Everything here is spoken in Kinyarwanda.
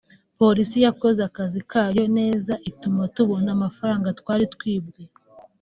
“Polisi yakoze akazi kayo neza ituma tubona amafaranga twari twibwe